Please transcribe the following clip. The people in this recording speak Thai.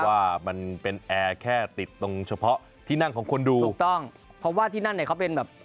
ว่ามันเป็นแอร์แค่ติดตรงเฉพาะที่นั่งของคนดูถูกต้องเพราะว่าที่นั่นเนี่ยเขาเป็นแบบ